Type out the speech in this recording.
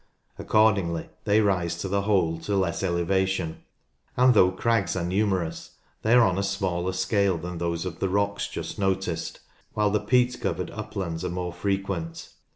Accord ingly they rise on the whole to less elevation, and though crags are numerous, they are on a smaller scale than those of the rocks just noticed, while the peat covered uplands are more frequent.